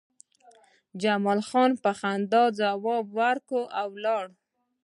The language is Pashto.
جمال خان په خندا ځواب ورکړ او لاړ